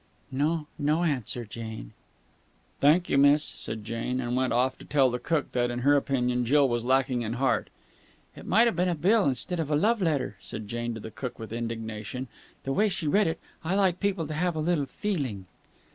"No, no answer, Jane." "Thank you, miss," said Jane, and went off to tell the cook that in her opinion Jill was lacking in heart. "It might have been a bill instead of a love letter," said Jane to the cook with indignation, "the way she read it. I like people to have a little feeling!"